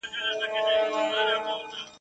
هم باید څرګند پیغام او هدف ولري !.